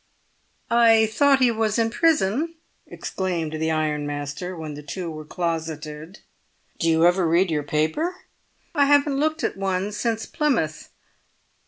"I thought he was in prison?" exclaimed the ironmaster when the two were closeted. "Do you ever read your paper?" "I haven't looked at one since Plymouth."